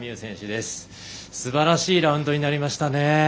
すばらしいラウンドになりましたね。